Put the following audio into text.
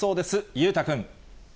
裕太君。